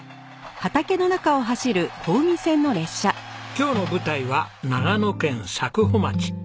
今日の舞台は長野県佐久穂町。